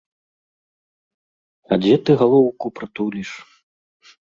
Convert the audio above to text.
А дзе ты галоўку прытуліш?